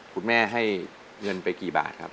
คุณแม่ให้เงินไปกี่บาทครับ